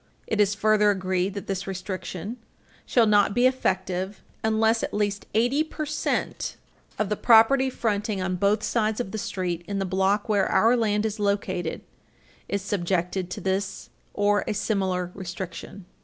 7 "It is further agreed that this restriction shall not be effective unless at least eighty percent of the property fronting on both sides of the street in the block where our land is located is subjected to this or a similar restriction."